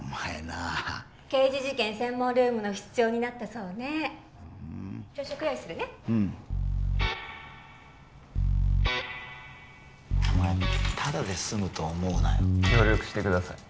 あ刑事事件専門ルームの室長になったそうね・朝食用意するねうんお前タダですむと思うなよ協力してください